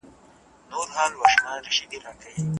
انارګل په ډېرې خوښۍ سره خپل لرګی پورته کړ.